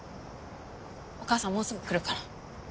お母さんもうすぐ来るから。